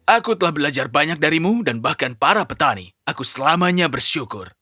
aku telah belajar banyak darimu dan bahkan para petani aku selamanya bersyukur